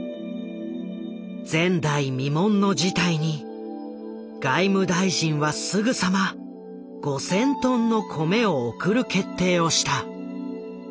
前代未聞の事態に外務大臣はすぐさま５，０００トンの米を送る決定をした。